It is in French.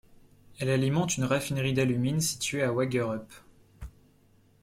Elle alimente une raffinerie d'alumine située à Wagerup.